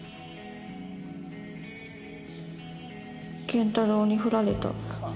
健太郎にフラれた